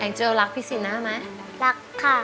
อังเจิลรักพี่สีหน้าไหมรักค่ะ